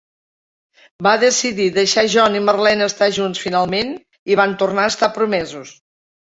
Va decidir deixar a John i Marlena estar junts finalment i van tornar a estar promesos.